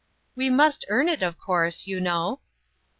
" We must earn it, of course, you know."